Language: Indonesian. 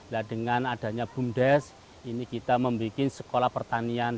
nah dengan adanya bumdes ini kita membuat sekolah pertanian